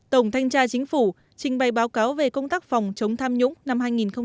tổng thanh tra chính phủ trình bày báo cáo về công tác phòng chống tham nhũng năm hai nghìn một mươi chín